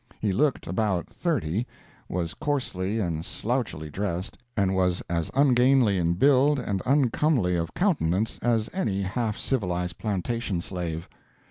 He looked about thirty, was coarsely and slouchily dressed, and was as ungainly in build and uncomely of countenance as any half civilized plantation slave.